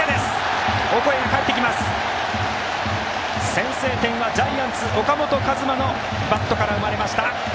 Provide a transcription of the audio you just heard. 先制点はジャイアンツ岡本和真のバットから生まれました。